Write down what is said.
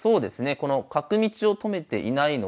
この角道を止めていないのをね